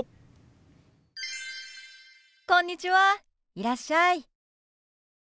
いらっしゃい。